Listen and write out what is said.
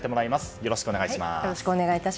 よろしくお願いします。